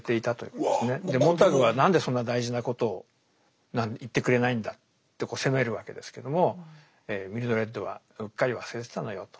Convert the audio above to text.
モンターグは何でそんな大事なことを言ってくれないんだって責めるわけですけどもミルドレッドはうっかり忘れてたのよと。